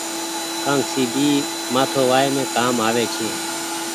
ڪآنگسي ڀي مآٿو وآئم ڪآم آوي ڇي۔